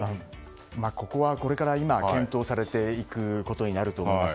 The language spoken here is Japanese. ここはこれから検討されていくことになると思います。